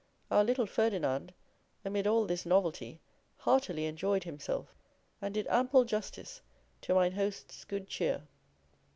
Our little Ferdinand amid all this novelty heartily enjoyed himself, and did ample justice to mine host's good cheer.